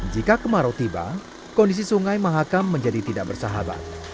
jika kemarau tiba kondisi sungai mahakam menjadi tidak bersahabat